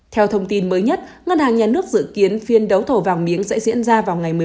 theo thông tin mới nhất ngân hàng nhà nước dự kiến phiên đấu thầu vàng miếng sẽ diễn ra vào ngày